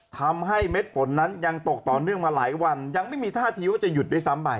เม็ดฝนนั้นยังตกต่อเนื่องมาหลายวันยังไม่มีท่าทีว่าจะหยุดด้วยซ้ำไป